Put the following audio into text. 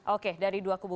oke dari dua kubu